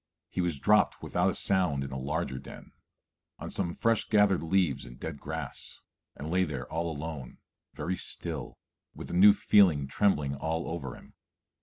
He was dropped without a sound in a larger den, on some fresh gathered leaves and dead grass, and lay there all alone, very still, with the new feeling trembling all over him.